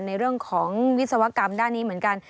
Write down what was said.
ในเรื่องของวิศวกรรมด้านนี้เหมือนกัน